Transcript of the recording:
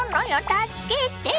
助けて！